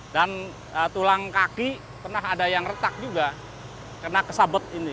dan tulang kaki pernah ada yang retak juga kena kesabet ini